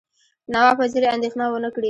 نواب وزیر اندېښنه ونه کړي.